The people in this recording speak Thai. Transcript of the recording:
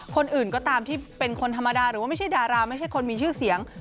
คนอื่นก็ตามที่เป็นคนธรรมดาหรือว่าไม่ใช่ดาราไม่ใช่คนมีชื่อเสียง